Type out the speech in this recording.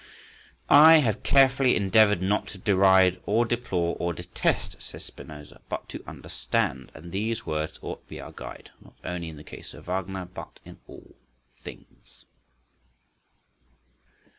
"I have carefully endeavoured not to deride, or deplore, or detest…" says Spinoza, "but to understand"; and these words ought to be our guide, not only in the case of Wagner, but in all things.